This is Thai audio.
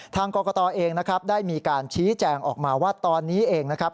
ทางกรกตเองนะครับได้มีการชี้แจงออกมาว่าตอนนี้เองนะครับ